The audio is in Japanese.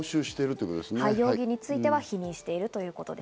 容疑については否認しているということです。